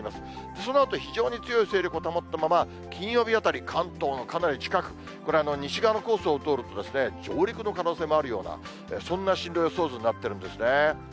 そのあと非常に強い勢力を保ったまま、金曜日あたり、関東のかなり近く、これ、西側のコースを通ると、上陸の可能性もあるような、そんな進路予想図になっているんですね。